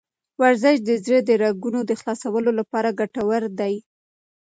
ورزش د زړه د رګونو د خلاصولو لپاره ګټور دی.